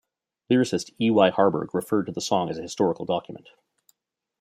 Lyricist E. Y. Harburg referred to the song as a historical document.